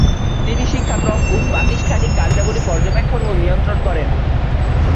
তিনি শিক্ষাক্রম ও প্রাতিষ্ঠানিক কার্যাবলী পর্যবেক্ষণ ও নিয়ন্ত্রণ করেন।